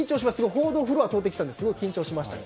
報道フロアを通ってくる時すごい緊張しました。